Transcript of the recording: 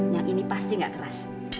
yang ini pasti gak keras